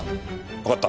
わかった。